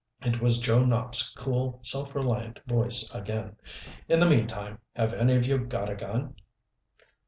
It was Joe Nopp's cool, self reliant voice again. "In the meantime, have any of you got a gun?"